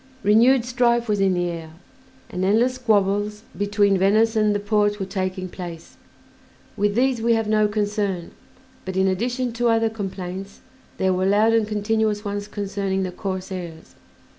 Renewed strife was in the air, and endless squabbles between Venice and the Porte were taking place. With these we have no concern, but, in addition to other complaints, there were loud and continuous ones concerning the corsairs.